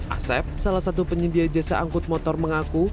asep salah satu penyedia jasa angkut motor mengaku